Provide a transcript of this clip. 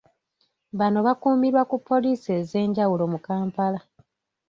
Bano bakuumirwa ku poliisi ez’enjawulo mu Kampala.